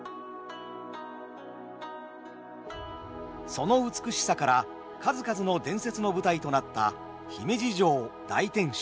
その美しさから数々の伝説の舞台となった姫路城大天守。